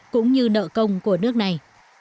cũng như nợ công của nước này